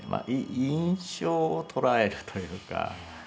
印象を捉えるというか。